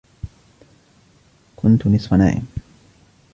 كُنتُ نِصفَ نائم